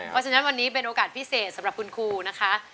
เพราะฉะนั้นวันนี้เป็นโอกาสพิเศษสำหรับคุณครูนะคะ